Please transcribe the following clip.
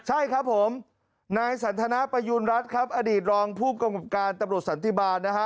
ใช่ครับผมนายสันทนาประยูณรัฐครับอดีตรองผู้กำกับการตำรวจสันติบาลนะฮะ